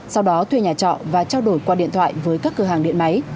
sau đó thuê nhà trọ và trao đổi qua điện thoại với các cửa hàng điện máy